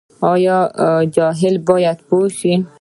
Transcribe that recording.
آیا جهل به پوهه شي؟